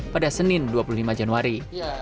pada senin dua puluh lima januari